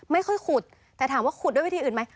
ค่อยขุดแต่ถามว่าขุดด้วยวิธีอื่นไหม